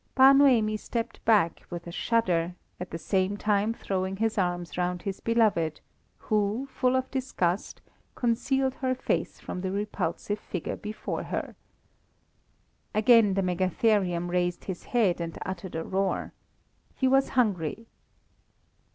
Bar Noemi stepped back with a shudder, at the same time throwing his arms round his beloved, who, full of disgust, concealed her face from the repulsive figure before her. Again the megatherium raised his head and uttered a roar. He was hungry.